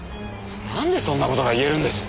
なんでそんな事が言えるんです？